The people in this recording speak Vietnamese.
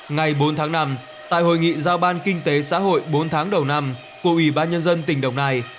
ngày bốn tháng năm tại hội nghị giao ban kinh tế xã hội bốn tháng đầu năm của ủy ban nhân dân tỉnh đồng nai